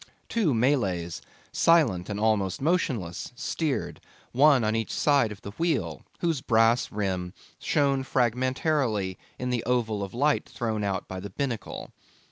Two Malays, silent and almost motionless, steered, one on each side of the wheel, whose brass rim shone fragmentarily in the oval of light thrown out by the binnacle.